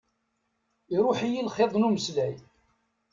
Iṛuḥ-iyi lxiḍ n umeslay.